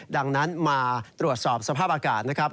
ดังนั้นมาตรวจสอบสภาพอากาศนะครับ